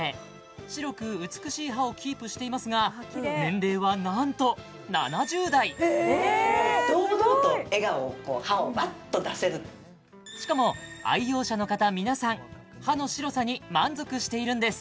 白く美しい歯をキープしていますが年齢はなんと７０代堂々と笑顔を歯をワッと出せるしかも愛用者の方皆さん歯の白さに満足しているんです